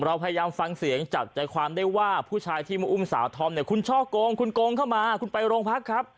เราพยายามฟังเสียงจับใจความได้ว่าผู้ชายที่มาอุ้มสาวธอมเนี่ยคุณช่อกงคุณโกงเข้ามาคุณไปโรงพักครับ